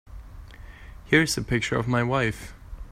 Here's the picture of my wife.